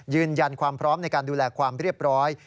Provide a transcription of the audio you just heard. ยืนยันความพร้อมในการดูแลความเรียบร้อย